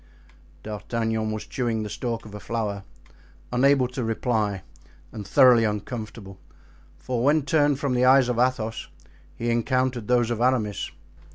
D'Artagnan was chewing the stalk of a flower, unable to reply and thoroughly uncomfortable; for when turned from the eyes of Athos he encountered those of Aramis.